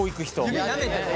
指なめてね。